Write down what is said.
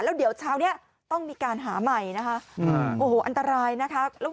แล้วเดี๋ยวเช้านี้ต้องมีการหาใหม่นะคะโอ้โหอันตรายนะคะ